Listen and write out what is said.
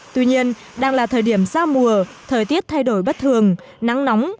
tuy nhiên đang là thời điểm giao mùa thời tiết thay đổi bất thường nắng nóng